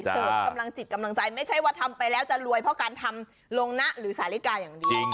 เสริมกำลังจิตกำลังใจไม่ใช่ว่าทำไปแล้วจะรวยเพราะการทำลงนะหรือสาลิกาอย่างเดียว